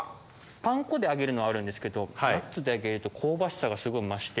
パン粉で揚げるのはあるんですけどナッツで揚げると香ばしさがすごい増して。